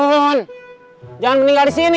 jangan meninggal di sini